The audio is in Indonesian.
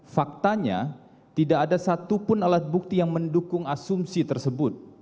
faktanya tidak ada satupun alat bukti yang mendukung asumsi tersebut